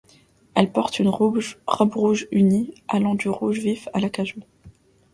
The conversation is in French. Elle porte une robe rouge unie, allant du rouge vif à l'acajou.